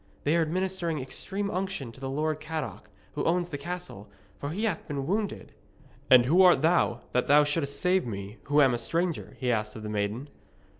'They are administering extreme unction to the Lord Cadoc, who owns the castle, for he hath been wounded.' 'And who art thou, that thou shouldst save me who am a stranger?' he asked of the maiden.